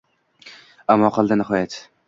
Imo qildi nihoyat